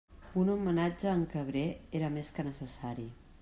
Un homenatge a en Cabré era més que necessari.